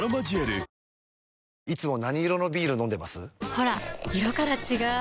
ほら色から違う！